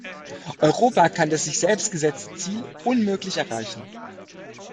Europa kann das sich selbst gesetzte Ziel unmöglich erreichen.